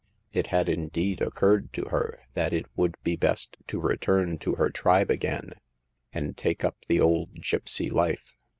It had, indeed, occurred to her that it would be best to return to her tribe again, and take up the old gipsy life.